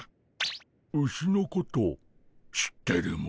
ウシのこと知ってるモ？